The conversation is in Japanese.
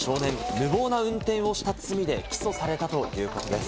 無謀な運転をした罪で起訴されたということです。